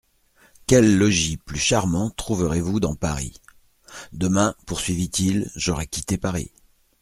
Quel logis plus charmant trouverez-vous dans Paris ? Demain, poursuivit-il, j'aurai quitté Paris.